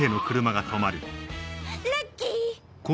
ラッキー！